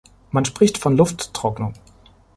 Man spricht von Lufttrocknung.